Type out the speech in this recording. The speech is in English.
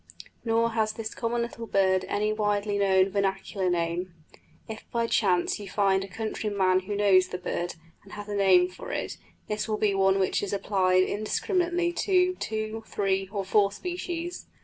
Nor has this common little bird any widely known vernacular name. If by chance you find a country man who knows the bird, and has a name for it, this will be one which is applied indiscriminately to two, three, or four species.